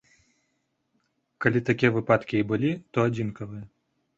Калі такія выпадкі і былі, то адзінкавыя.